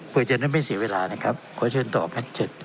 เพื่อจะได้ไม่เสียเวลานะครับขอเชิญต่อแพ็คเจ็ด